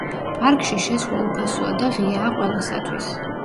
პარკში შესვლა უფასოა და ღიაა ყველასათვის.